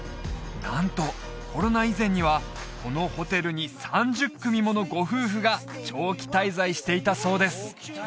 なんとコロナ以前にはこのホテルに３０組ものご夫婦が長期滞在していたそうです